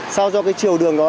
sao do cái chiều đường đó